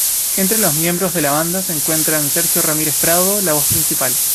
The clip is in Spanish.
Entre los miembros de banda se encuentran Sergio Ramírez Prado, la voz principal.